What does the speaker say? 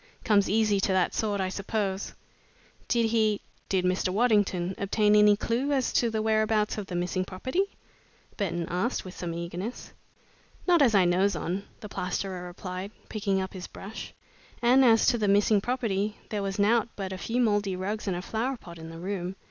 Comes easy to that sort, I suppose." "Did he did Mr. Waddington obtain any clue as to the whereabouts of the missing property?" Burton asked, with some eagerness. "Not as I knows on," the plasterer replied, picking up his brush, "and as to the missing property, there was nowt but a few mouldy rugs and a flower pot in the room.